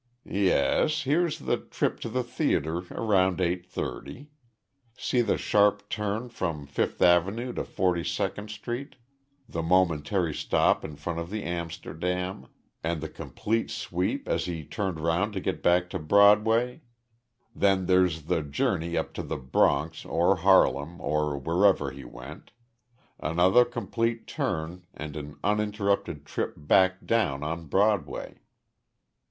"Yes, here's the trip to the theater around eight thirty. See the sharp turn from Fifth Avenue into Forty second Street, the momentary stop in front of the Amsterdam, and the complete sweep as he turned around to get back to Broadway. Then there's the journey up to the Bronx or Harlem or wherever he went, another complete turn and an uninterrupted trip back down on Broadway."